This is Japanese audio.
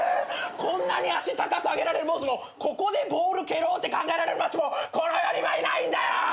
こんなに足高く上げられる坊主もここでボール蹴ろうって考えられるマッチョもこの世にはいないんだよ！